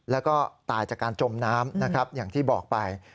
และก็ตายจากการจมน้ำอย่างที่บอกไป